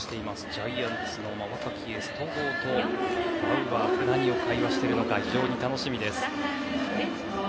ジャイアンツの若きエース戸郷とバウアー、何を会話しているのか非常に楽しみです。